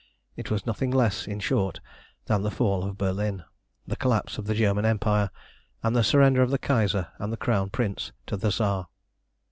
It was nothing less, in short, than the fall of Berlin, the collapse of the German Empire, and the surrender of the Kaiser and the Crown Prince to the Tsar.